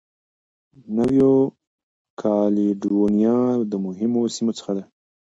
نیو کالېډونیا د مهمو سیمو څخه ده.